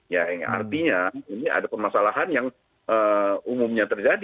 ya artinya ini ada permasalahan yang umumnya terjadi